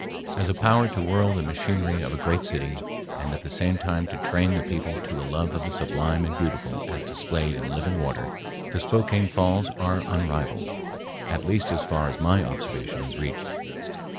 As a power to whirl the machinery of a great city and at the same time to train the people to a love of the sublime and beautiful as displayed in living water, the Spokane Falls are unrivaled, at least as far as my observation has reached.